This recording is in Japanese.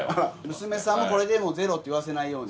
娘さんに、これでもう０って言わせないように。